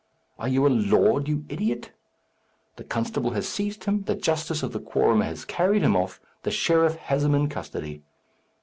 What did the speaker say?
Are you a lord, you idiot? The constable has seized him, the justice of the quorum has carried him off, the sheriff has him in custody.